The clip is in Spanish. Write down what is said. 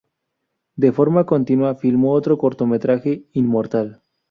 De forma continua, filmó otro cortometraje "Inmortal".